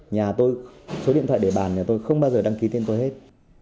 nhà tôi số điện thoại để bàn nhà tôi không bao giờ đăng ký tên tôi hết